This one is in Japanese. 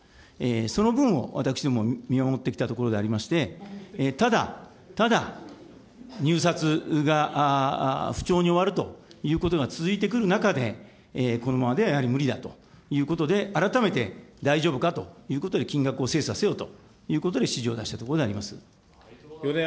その分を私ども、見守ってきたところでありまして、ただ、ただ、入札が不調に終わるということが続いてくる中で、このままではやはり無理だということで、改めて大丈夫かということで、金額を精査せよということで指示を出したところであります。